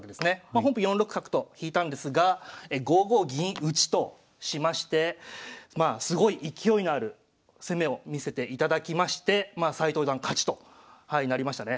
本譜４六角と引いたんですが５五銀打としましてすごい勢いのある攻めを見せていただきまして斎藤四段勝ちとなりましたね。